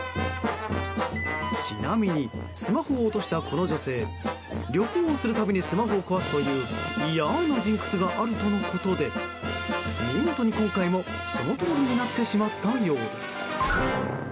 ちなみにスマホを落としたこの女性旅行をするたびにスマホを壊すという嫌なジンクスがあるとのことで見事に今回もそのとおりになってしまったようです。